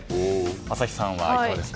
朝日さんはいかがですか？